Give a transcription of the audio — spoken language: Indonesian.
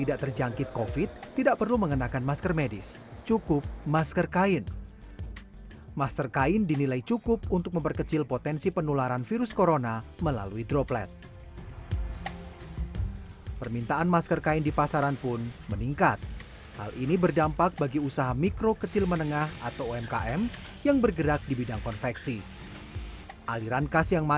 artinya mereka sambil kita sama sama bertahan ada yang bisa dikirakan bersama